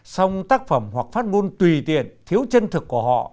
xong tác phẩm hoặc phát ngôn tùy tiện thiếu chân thực của họ